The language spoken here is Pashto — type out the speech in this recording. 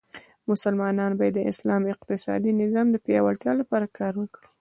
مسلمانان باید د اسلام اقتصادې نظام د پیاوړتیا لپاره کار وکړي.